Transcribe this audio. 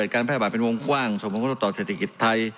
โควิด